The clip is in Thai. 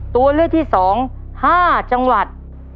ตัวเลือกที่๒๕จังหวัด